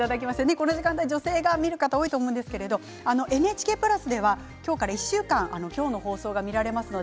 この時間は女性が見る方が多いと思いますがＮＨＫプラスでは今日から１週間今日の放送が見られます。